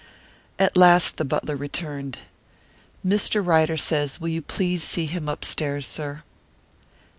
At last the butler returned. "Mr. Ryder says will you please see him upstairs, sir?"